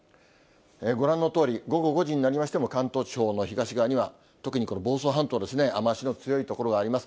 ご覧のとおり、午後５時になりましても、関東地方の東側には、特にこの房総半島ですね、雨足の強い所があります。